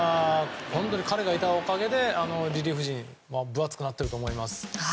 彼がいたおかげでリリーフ陣分厚くなってると思います。